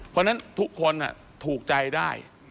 เพราะฉะนั้นทุกคนถูกใจได้